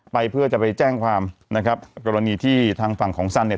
เพื่อจะไปแจ้งความนะครับกรณีที่ทางฝั่งของซันเนี่ย